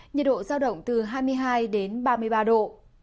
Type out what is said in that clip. nhiệt độ giao động từ hai mươi hai đến ba mươi ba độ